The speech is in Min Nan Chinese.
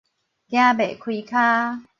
行袂開跤